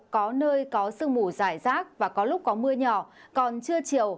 có nơi có sương mù dài rác và có lúc có mưa nhỏ còn trưa chiều